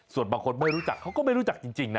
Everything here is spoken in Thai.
ส่วนบางคนไม่รู้จักเขาก็ไม่รู้จักจริงนะ